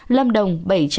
lâm đồng bảy trăm ba mươi hai